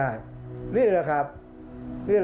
ภาคอีสานแห้งแรง